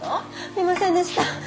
いませんでした。